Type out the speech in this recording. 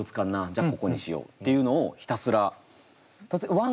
じゃあここにしようっていうのをひたすら。